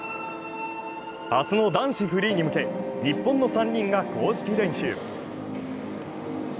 明日の男子フリーに向けて日本の３人が公式練習。